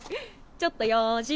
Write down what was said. ちょっと用事。